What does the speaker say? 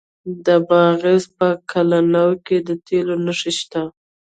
د بادغیس په قلعه نو کې د تیلو نښې شته.